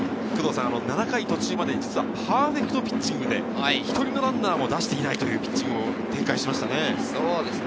７回途中までパーフェクトピッチングで一人のランナーも出していないというピッチングを展開しましたね。